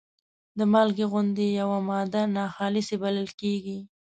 د مالګې غوندې یوه ماده ناخالصې بلل کیږي.